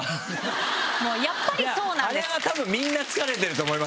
いやあれはたぶんみんな疲れてると思いますよ